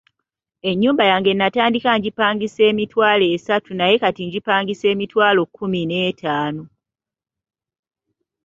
Ennyumba yange natandika ngipangisa emitwalo esatu naye kati ngipangisa emitwalo kkumi n'etaano.